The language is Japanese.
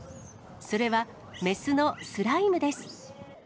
それは雌のスライムです。